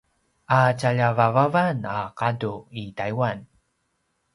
a tjalja vavavan a gadu i Taiwan